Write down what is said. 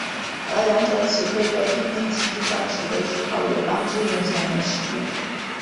而两者起飞的地面基地当时都是靠友邦支援才能使用。